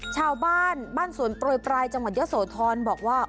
ชาวบ้านบ้านสวนโปรยปลายจังหวัดเยอะโสธรบอกว่า